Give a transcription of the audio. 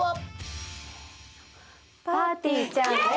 せーのぱーてぃーちゃんです。